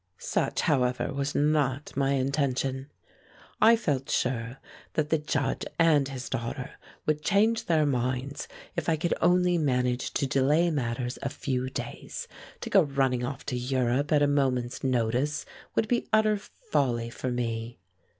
Such, however, was not my intention. I felt sure that the Judge and his daughter would change their minds if I could only manage to delay matters a few days. To go running off to Europe at a moment's notice would be utter folly for me.